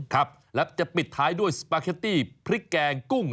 ครับแล้วจะปิดท้ายด้วยสปาเกตตี้พริกแกงกุ้ง